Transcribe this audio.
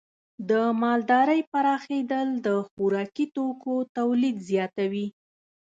د مالدارۍ پراخېدل د خوراکي توکو تولید زیاتوي.